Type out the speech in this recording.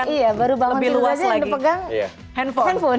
iya baru bangun tidur aja yang dipegang handphone